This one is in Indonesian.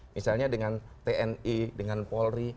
misalnya dengan tni dengan polri